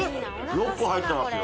６個入ってますよ